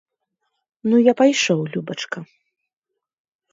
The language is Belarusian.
Ну, я пайшоў, любачка!